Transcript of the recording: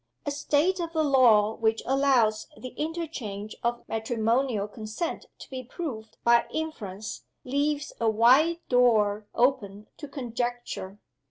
A state of the law which allows the interchange of matrimonial consent to be proved by inference leaves a wide door open to conjecture.